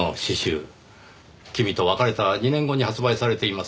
君と別れた２年後に発売されています。